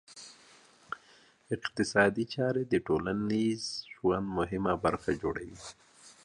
اقتصادي چاري د ټولنیز ژوند مهمه برخه جوړوي.